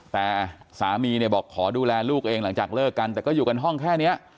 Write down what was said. แต่สามีเนี่ยบอกขอดูแลลูกเองหลังจากเลิกกันแต่ก็อยู่กันห้องแค่นี้